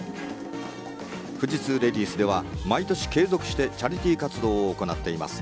富士通レディースでは毎年継続してチャリティー活動を行っています。